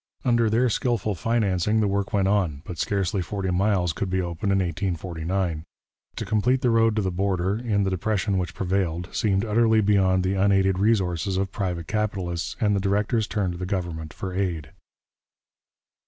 Under their skilful financing the work went on, but scarcely forty miles could be opened in 1849. To complete the road to the border, in the depression which prevailed, seemed utterly beyond the unaided resources of private capitalists, and the directors turned to the government for aid.